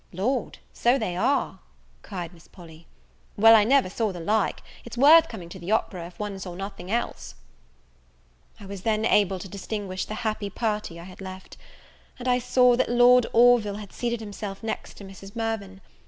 "Lord, so they are," cried Miss Polly; "well, I never saw the like! it's worth coming to the opera, if one saw nothing else." I was then able to distinguish the happy party I had left; and I saw that Lord Orville had seated himself next to Mrs. Mirvan.